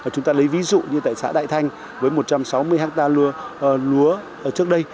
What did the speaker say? chúng ta lấy ví dụ như tại xã đại thanh với một trăm sáu mươi ha lúa trước đây